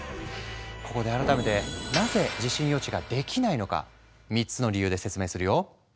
ここで改めてなぜ地震予知ができないのか３つの理由で説明するよ。